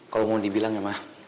kalo mau dibilang ya ma